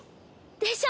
でしょ？